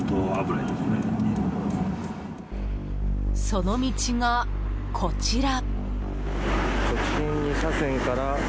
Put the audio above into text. その道が、こちら。